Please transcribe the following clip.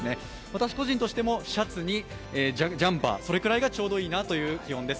私個人としてもシャツにジャンパー、それくらいがちょうどいいという気温です。